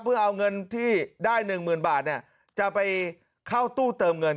เพื่อเอาเงินที่ได้๑๐๐๐บาทจะไปเข้าตู้เติมเงิน